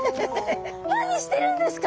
何してるんですか？